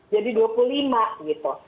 dua puluh lima gitu